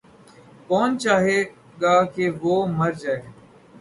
کون چاہے گا کہ وہ مر جاَئے۔